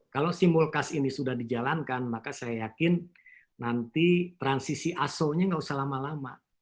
kalau simulkas ini sudah dijalankan maka saya yakin nanti transisi aso nya nggak usah lama lama